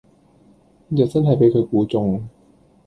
又真係俾佢估中